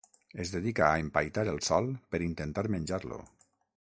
Es dedica a empaitar el Sol per intentar menjar-lo.